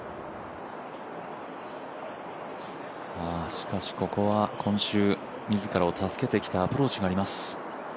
しかしここは、今週自らを助けてきたアプローチがあります。